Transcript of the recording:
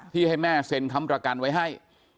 ที่ให้แม่เซ็นคำปรากรรณไว้ให้